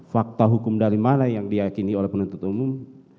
fakta hukum dari mana yang diakini oleh penuntut umum